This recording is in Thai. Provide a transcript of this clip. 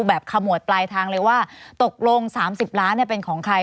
ขมวดปลายทางเลยว่าตกลง๓๐ล้านเป็นของใคร